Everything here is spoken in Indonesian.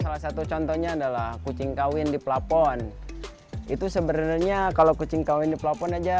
salah satu contohnya adalah kucing kawin di pelapon itu sebenarnya kalau kucing kawin di pelapon aja